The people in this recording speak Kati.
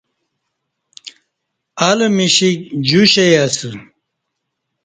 ال مشیک جوشئ اسہ